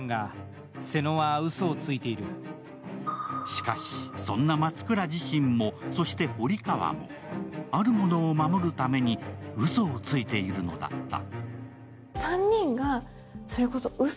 しかし、そんな松倉自身もそして堀川もあるものを守るためにうそをついているのだった。